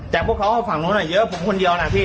แต่พวกเขาก็ฝั่งนู้นเยอะผมคนเดียวนะพี่